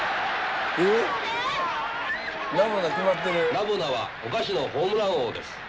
ナボナはお菓子のホームラン王です。